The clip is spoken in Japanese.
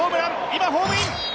今ホームイン。